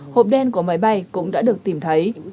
hộp đen của máy bay cũng đã được tìm thấy